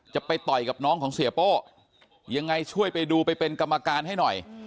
ไปต่อยกับน้องของเสียโป้ยังไงช่วยไปดูไปเป็นกรรมการให้หน่อย